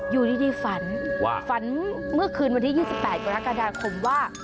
อยู่ดีฝันว่าฝันเมื่อคืนวันที่๒๘กรกฎาคมว่า